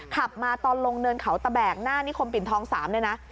ขับมาตอนลงเนินเขาตะแบกหน้านิคมปิ่นทอง๓เนี่ยนะ